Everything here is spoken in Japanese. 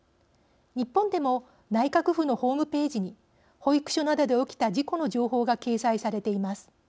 日本でも内閣府のホームページに保育所などで起きた事故の情報が掲載されています。